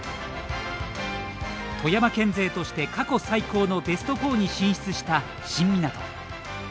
富山県勢として過去最高のベスト４に進出した新湊。